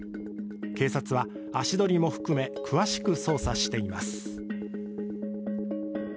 警察は足取りも含め、詳しく捜査しています。